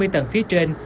hai mươi tầng phía trên